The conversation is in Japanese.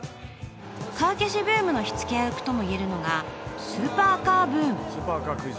［カー消しブームの火付け役ともいえるのがスーパーカーブーム］